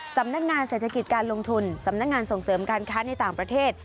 สำนักงานเศรษฐกิจการลงทุนสำนักงานส่งเสริมการค้าในต่างประเทศ